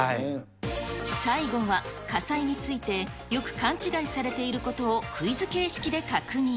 最後は火災について、よく勘違いされていることをクイズ形式で確認。